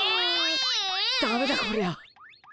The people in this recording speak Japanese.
ダメだこりゃ。